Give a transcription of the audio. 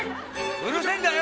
うるせえんだよ！